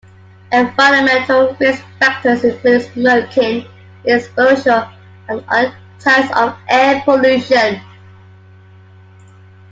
Environmental risk factors include smoking, lead exposure, and other types of air pollutions.